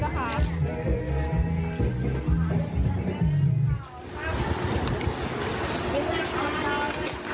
แต่งกันแล้วค่ะ